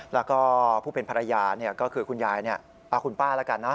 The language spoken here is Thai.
แล้วก็ผู้เป็นภรรยาก็คือคุณยายคุณป้าแล้วกันนะ